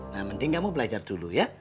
nah mending kamu belajar dulu ya